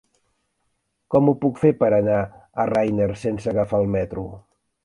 Com ho puc fer per anar a Riner sense agafar el metro?